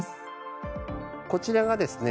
こちらがですね